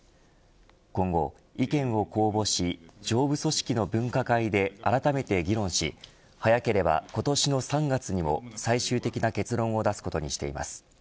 今後、意見を公募し上部組織の分科会であらためて議論し早ければ今年の３月にも最終的な結論を出すことにしています。